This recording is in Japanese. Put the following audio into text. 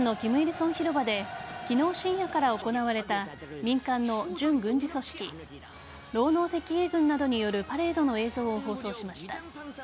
成広場で昨日深夜から行われた民間の準軍事組織労農赤衛軍などによるパレードの映像を放送しました。